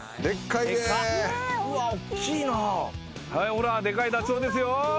ほらでかいダチョウですよ。